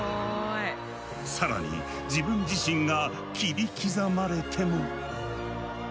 更に自分自身が切り刻まれても。